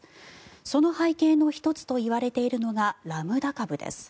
その背景の１つといわれているのがラムダ株です。